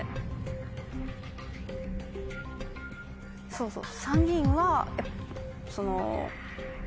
そうそう。